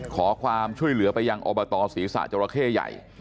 ขอความช่วยเหลือไปยังอบตศีรษะจราเข้ใหญ่